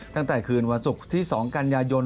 ตั้งแต่คืนวันศุกร์ที่๒กันยายน